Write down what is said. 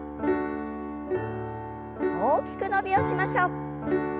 大きく伸びをしましょう。